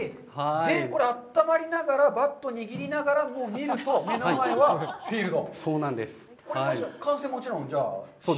これあったまりながらバットを握りながら見ると、目の前はフィールド。